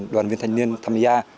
năm mươi đoàn viên thanh niên tham gia